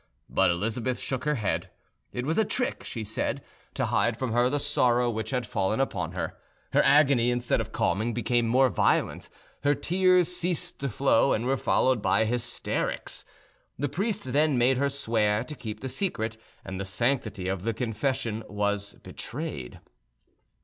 But Elizabeth shook her head: it was a trick, she said, to hide from her the sorrow which had fallen upon her. Her agony, instead of calming, became more violent; her tears ceased to flow, and were followed by hysterics. The priest then made her swear to keep the secret, and the sanctity of the confession was betrayed.